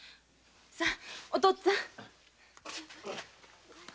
さお父っつぁん。